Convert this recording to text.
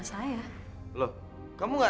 sekolah udah bubar